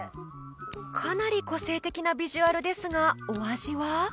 かなり個性的なビジュアルですがお味は？